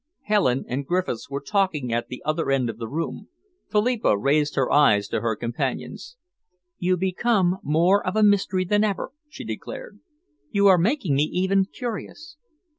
Helen and Griffiths were talking at the other end of the room. Philippa raised her eyes to her companion's. "You become more of a mystery than ever," she declared. "You are making me even curious.